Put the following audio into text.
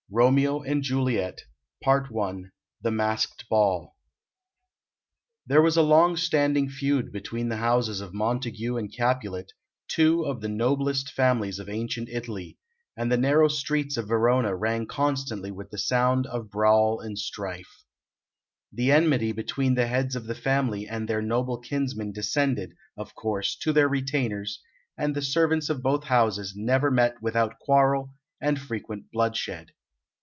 Romeo and Juliet The Masked Ball There was a long standing feud between the houses of Montague and Capulet, two of the noblest families of ancient Italy, and the narrow streets of Verona rang constantly with the sound of brawl and strife. The enmity between the heads of the family and their noble kinsmen descended, of course, to their retainers, and the servants of both houses never met without quarrel, and frequent bloodshed.